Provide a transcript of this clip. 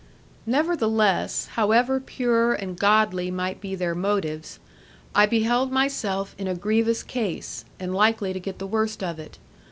Nevertheless, however pure and godly might be their motives, I beheld myself in a grievous case, and likely to get the worst of it.